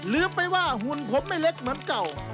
ลืมไปว่าหุ่นผมไม่เล็กเหมือนเก่า